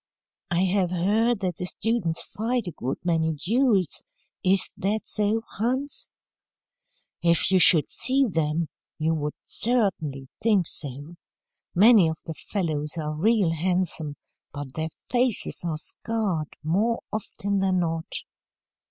"I have heard that the students fight a good many duels. Is that so, Hans?" "If you should see them, you would certainly think so. Many of the fellows are real handsome, but their faces are scarred more often than not.